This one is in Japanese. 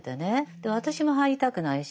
で私も入りたくないし。